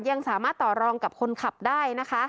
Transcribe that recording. ยังสามารถต่อรองกับคนขับได้นะคะ